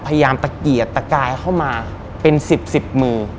พยายามตะเกียดตะกายเข้ามาเป็น๑๐๑๐มือ